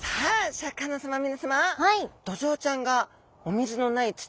シャーク香音さま皆さま。